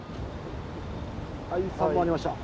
はい３本ありました。